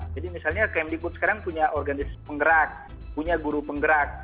jadi misalnya kmdkut sekarang punya organisasi penggerak punya guru penggerak